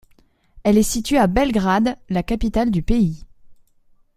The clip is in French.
Elle est située à Belgrade, la capitale du pays.